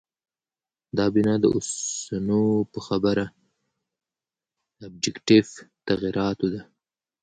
دا بنا د اوسنو په خبره آبجکټیف تغییراتو ده.